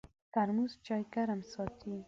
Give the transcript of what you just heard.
ترموز چای ګرم ساتي.